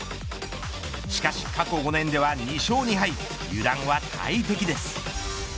しかし過去５年では、２勝２敗油断は大敵です。